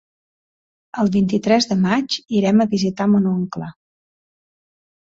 El vint-i-tres de maig irem a visitar mon oncle.